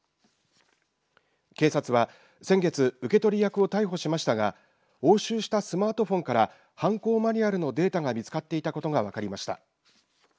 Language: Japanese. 警察は先月受け取り役を逮捕しましたが押収したスマートフォンから犯行マニュアルのデータが見つかっていたことが分かりました。